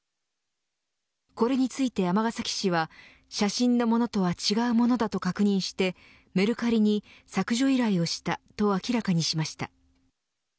これについて尼崎市は写真のものとは違うものだと確認してメルカリに削除依頼をしたと明らかにしました。